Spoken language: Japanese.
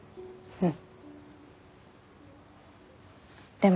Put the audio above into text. うん。